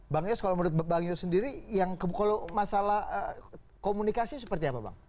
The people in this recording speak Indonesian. bang yes kalau menurut bang yes sendiri kalau masalah komunikasi seperti apa bang